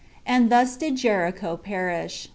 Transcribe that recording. And thus did Jericho perish. 10.